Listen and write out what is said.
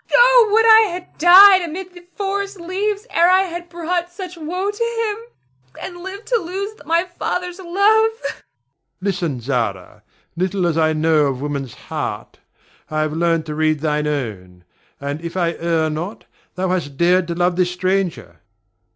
Oh, would I had died amid the forest leaves ere I had brought such woe to him, and lived to lose my father's love! [Weeps.] Ber. Listen, Zara! Little as I know of woman's heart, I have learned to read thine own; and if I err not, thou hast dared to love this stranger.